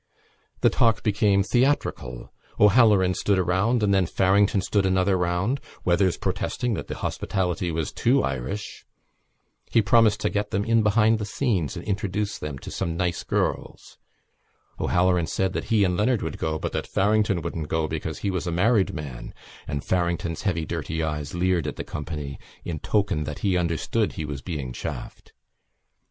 The talk became theatrical. O'Halloran stood a round and then Farrington stood another round, Weathers protesting that the hospitality was too Irish. He promised to get them in behind the scenes and introduce them to some nice girls. O'Halloran said that he and Leonard would go, but that Farrington wouldn't go because he was a married man; and Farrington's heavy dirty eyes leered at the company in token that he understood he was being chaffed.